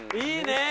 いいね。